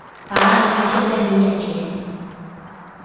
答案浮现在妳眼底